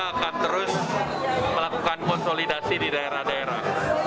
kita akan terus melakukan konsolidasi di daerah daerah